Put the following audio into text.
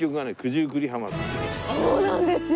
そうなんですよ。